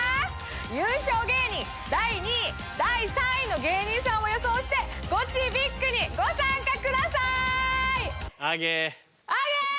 優勝芸人第２位第３位の芸人さんを予想してゴチＢＩＧにご参加ください！